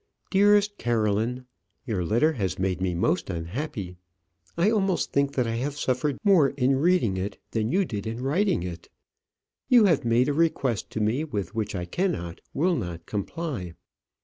Dearest Caroline, Your letter has made me most unhappy. I almost think that I have suffered more in reading it than you did in writing it. You have made a request to me with which I cannot, will not comply.